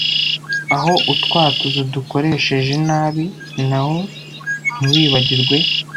Aho utwatuzo dukoresheje nabi na ho ntiwibagirwe